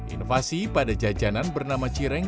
inovasi pada jajanan bernama cireng